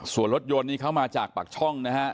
ส่วนรถยนต์นี่เขามาจากปากช่องนะฮะ